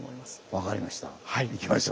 分かりました。